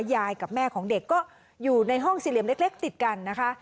กับแม่ของเด็กก็อยู่ในห้องสี่เหลี่ยมเล็กติดกันนะคะ